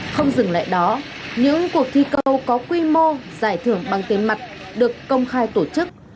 không dừng lại đó những cuộc thi cầu có quy mô giải thưởng bằng tiền mặt được công khai tổ chức